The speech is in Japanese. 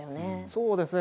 そうですね。